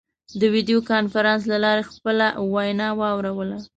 د ویډیو کنفرانس له لارې خپله وینا واوروله.